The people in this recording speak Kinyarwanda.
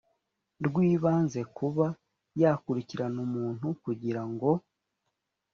rw ibanze kuba yakurikirana umuntu kugira ngo